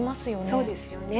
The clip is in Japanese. そうですよね。